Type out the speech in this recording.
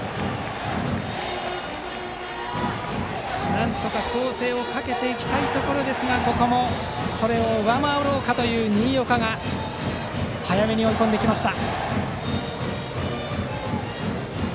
なんとか攻勢をかけていきたいところですがここもそれを上回ろうかという新岡、早めに追い込んできた。